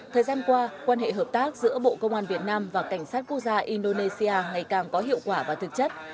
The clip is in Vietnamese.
thời gian qua quan hệ hợp tác giữa bộ công an việt nam và cảnh sát quốc gia indonesia ngày càng có hiệu quả và thực chất